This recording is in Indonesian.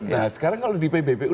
nah sekarang kalau di pbpu